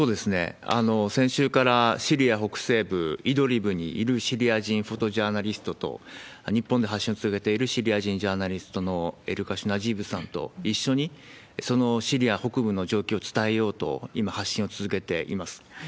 先週からシリア北西部イドリブにいるシリア人フォトジャーナリストと、日本で発信されているシリア人ジャーナリストのエリカシ・ナジーブさんと一緒にそのシリア北部の状況を伝えようと、今、発信を続けています。